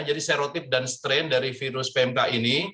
jadi serotip dan strain dari virus pmk ini